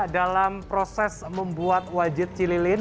dalam proses membuat wajit cililin